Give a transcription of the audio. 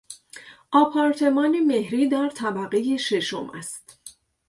آپارتمان مهری در طبقهی ششم است.